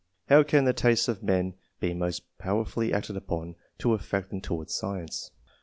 How can the tastes of men be most powerfully acted upon, to affect them towards science?